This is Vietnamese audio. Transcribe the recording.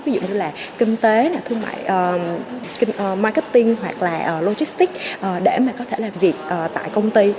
ví dụ như là kinh tế thương mại marketing hoặc là logistics để mà có thể làm việc tại công ty